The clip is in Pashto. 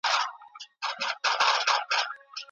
لیکل تر اورېدلو د فکر په پراخولو کي ونډه اخلي.